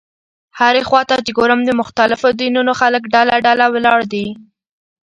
هرې خوا ته چې ګورم د مختلفو دینونو خلک ډله ډله ولاړ دي.